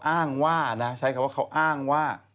อ้างว่านะใช้คำว่าเขาอ้างว่า